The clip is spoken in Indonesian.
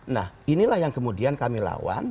nah inilah yang kemudian kami lawan